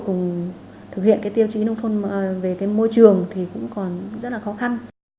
cùng thực hiện cái tiêu chí nông thôn về cái môi trường thì cũng còn rất là khó khăn